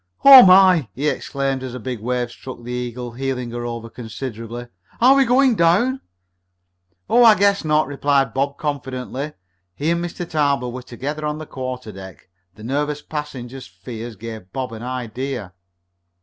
"Oh, my!" he exclaimed as a big wave struck the Eagle, heeling her over considerably. "Are we going down?" "Oh, I guess not," replied Bob confidently. He and Mr. Tarbill were together on the quarterdeck. The nervous passenger's fears gave Bob an idea.